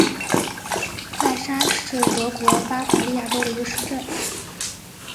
赖沙是德国巴伐利亚州的一个市镇。